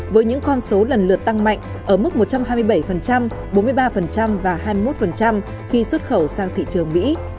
với những con số lần lượt tăng mạnh ở mức một trăm hai mươi bảy bốn mươi ba và hai mươi một khi xuất khẩu sang thị trường mỹ